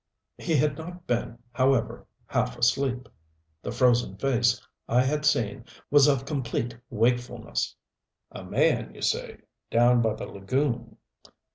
He had not been, however, half asleep. The frozen face I had seen was of complete wakefulness. "A man, you say down by the lagoon?"